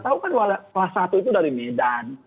tahu kan kelas satu itu dari medan